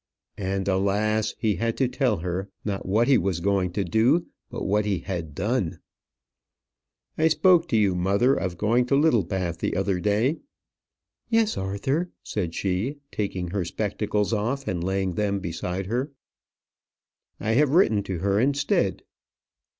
And, alas! he had to tell her, not what he was going to do, but what he had done. "I spoke to you, mother, of going to Littlebath the other day." "Yes, Arthur," said she, taking her spectacles off, and laying them beside her. "I have written to her, instead."